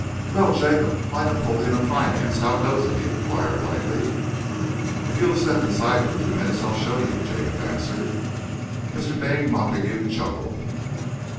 "Well, Jacob, my Napoleon of finance, how goes it?" he enquired lightly. "If you'll step inside for two minutes, I'll show you," Jacob answered. Mr. Dane Montague chuckled.